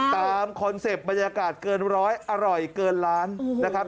คอนเซ็ปต์บรรยากาศเกินร้อยอร่อยเกินล้านนะครับ